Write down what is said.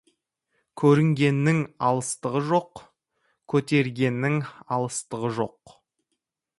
Көрінгеннің алыстығы жоқ, көтерілгеннің алыстығы жоқ.